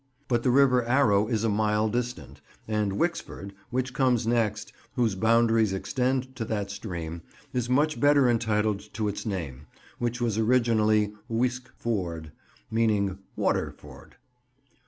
But the river Arrow is a mile distant, and Wixford, which comes next, whose boundaries extend to that stream, is much better entitled to its name, which was originally "uisg ford," meaning "water ford."